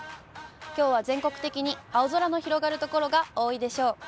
きょうは全国的に青空の広がる所が多いでしょう。